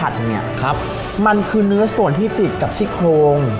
เนี่ยคับมันคือเนื้อส่วนที่ติดกับชิคโรง